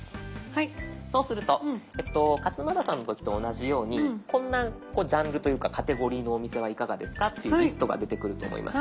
そうすると勝俣さんの時と同じようにこんなジャンルというかカテゴリーのお店はいかがですかっていうリストが出てくると思います。